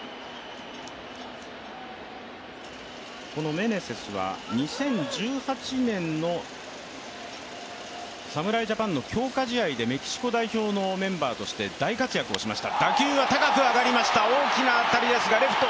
メネセスは２０１８年の侍ジャパンの強化試合でメキシコ代表のメンバーとして大活躍をしました。